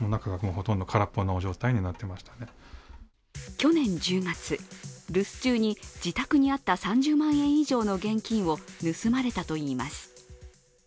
去年１０月、留守中に自宅にあった３０万円以上の現金を盗まれたといいます。